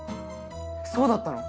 そうだったの？